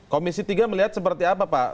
komisi tiga melihat seperti apa pak